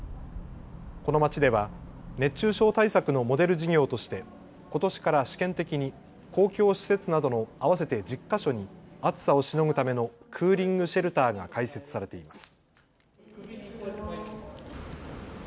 このまちでは熱中症対策のモデル事業としてことしから試験的に公共施設などの合わせて１０か所に暑さをしのぐためのクーリングシェルターが開設されています。